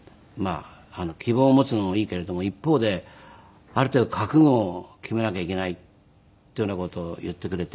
「希望持つのもいいけれども一方である程度覚悟を決めなきゃいけない」っていうような事を言ってくれて。